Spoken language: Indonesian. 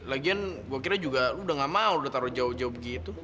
lagian gue kira juga lu udah gak mau udah taruh jauh jauh begitu